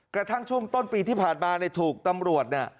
กระทั่งช่วงต้นปีที่ผ่านมาเนี่ยถูกตำรวจเนี่ย